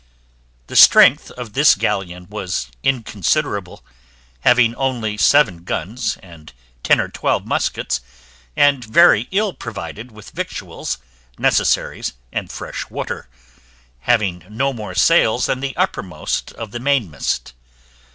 The strength of this galleon was inconsiderable, having only seven guns, and ten or twelve muskets, and very ill provided with victuals, necessaries, and fresh water, having no more sails than the uppermost of the mainmast.